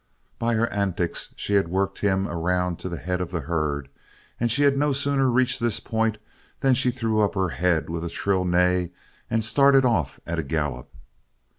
By her antics she had worked him around to the head of the herd and she had no sooner reached this point than she threw up her head with a shrill neigh and started off at a gallop.